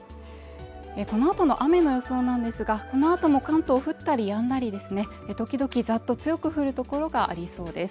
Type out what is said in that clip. この後の雨の予想なんですが、この後の関東降ったりやんだりですね、時々ざっと強く降るところがありそうです。